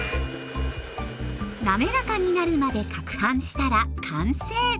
滑らかになるまでかくはんしたら完成。